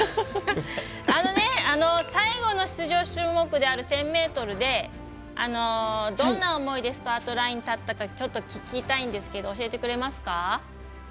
最後の出場種目である１０００ｍでどんな思いでスタートライン立ったかちょっと聞きたいんですけど教えてくれますか？